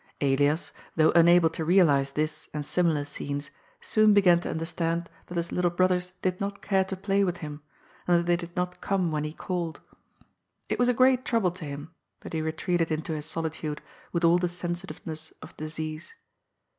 Elias, though unable to realize this and similar scenes, soon began to understand that his little brothers did not care to play with him, and that they did not come when he called. It was a great trouble to him, but he retreated into his solitude with all the sensitiveness of disease.